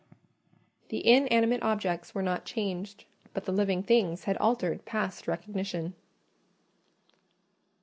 The inanimate objects were not changed; but the living things had altered past recognition.